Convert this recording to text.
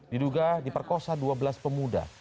diduga diperkosa dua belas pemuda